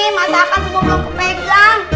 masakan semua belum kepegang